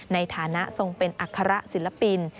ในฐานะทรงเป็นอัคระศิลปิน